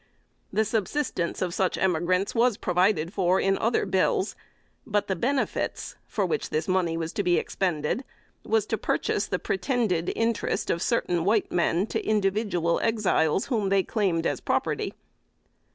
The subsistence of such emigrants was provided for in other bills; but the benefits for which this money was to be expended was to purchase the pretended interest of certain white men to individual Exiles whom they claimed as property.